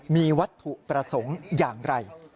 มีวัตถุประสงค์อย่างไร